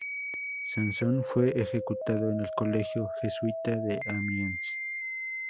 Sanson fue educado en el colegio jesuita de Amiens.